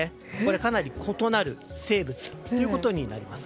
かなり異なる生物ということになります。